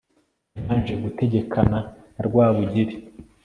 yabanje gutegekana na rwabugiri